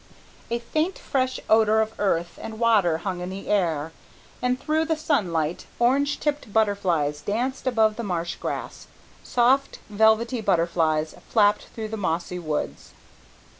A faint fresh odour of earth and water hung in the air, and through the sunlight, orange tipped butterflies danced above the marsh grass, soft velvety butterflies flapped through the mossy woods.